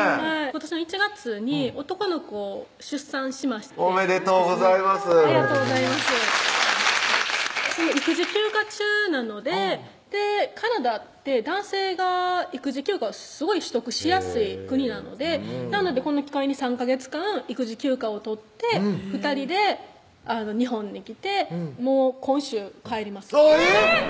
今年の１月に男の子を出産しましておめでとうございますありがとうございます育児休暇中なのでカナダって男性が育児休暇をすごい取得しやすい国なのでなのでこの機会に３ヵ月間育児休暇を取って２人で日本に来てもう今週帰りますえぇっ！